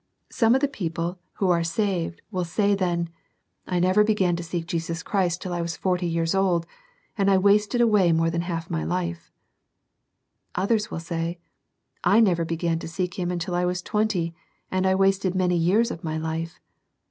Some o£ tiaa ^^^\^ ^Ko are SEEKING THE LORD EARLY. 1 33 saved, will say then, "I never began to seek Jesus Christ till I was forty years old, and I wasted away more than half my life:" others will say, " I never began to seek Him till I was twenty, and I wasted many years of my life."